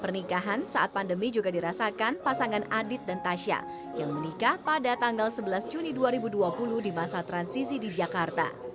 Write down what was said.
pernikahan saat pandemi juga dirasakan pasangan adit dan tasya yang menikah pada tanggal sebelas juni dua ribu dua puluh di masa transisi di jakarta